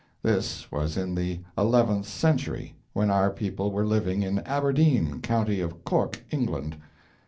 This was in the eleventh century, when our people were living in Aberdeen, county of Cork, England.